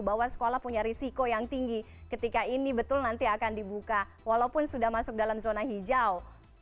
bahwa sekolah punya risiko yang tinggi ketika ini betul nanti akan dibuka walaupun sudah masuk dalam zona hijau